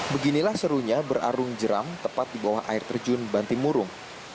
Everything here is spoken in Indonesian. beginilah serunya berarung jeram tepat di bawah air terjun bantimurung